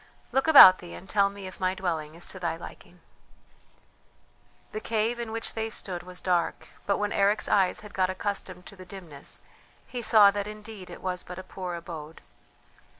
"Look about thee and tell me if my dwelling is to thy liking." The cave in which they stood was dark; but when Eric's eyes had got accustomed to the dimness he saw that indeed it was but a poor abode.